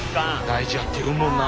大事やって言うもんな。